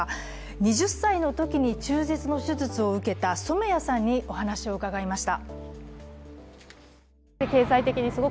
２０歳のときに中絶の手術を受けた染矢さんにお話を伺いました。